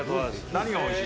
何がおいしい？